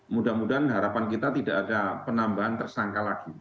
mudah mudahan harapan kita tidak ada penambahan tersangka lagi